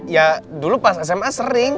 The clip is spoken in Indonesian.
ya dulu pas sma sering